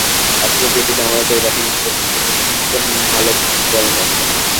আসলে যেদিন আমাদের ব্যাটিং ভালো হচ্ছে, সেদিন বোলিং ভালো হচ্ছে না।